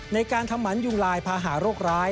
ในการทำหมันยุงลายพาหาโรคร้าย